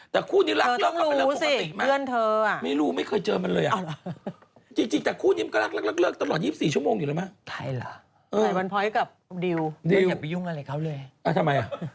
แต่คู่นี้รักเลิกกันเป็นเรื่องปกติไหมไม่รู้ไม่เคยเจอมันเลยอ่ะจริงแต่คู่นี้มันก็รักเลิกตลอด๒๔ชั่วโมงอยู่แล้วไหม